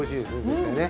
絶対ね